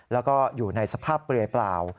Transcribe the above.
แล้วก็อยู่ในสภาพเปลือยเปล่า